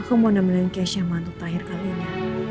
aku mau nemenin keisha sama untuk terakhir kali ini